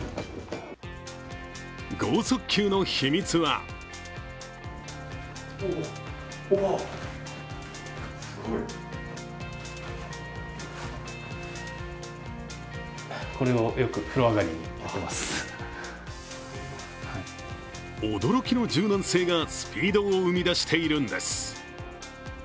剛速球の秘密は驚きの柔軟性がスピードを生み出しているのです。